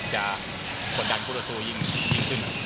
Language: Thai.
จะผลดันคุณสู้ยิ่งขึ้น